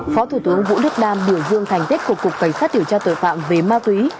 phó thủ tướng vũ đức đam biểu dương thành tích của cục cảnh sát điều tra tội phạm về ma túy